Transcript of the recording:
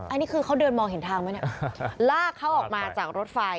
อันนี้คือเขาเดินมองเห็นทางไหมเนี่ยลากเขาออกมาจากรถไฟ